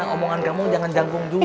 omongan kamu jangan jangkung juga